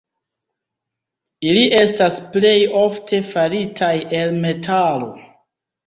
Ili estas plej ofte faritaj el metalo.